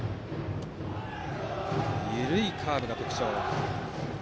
緩いカーブが特徴の細澤。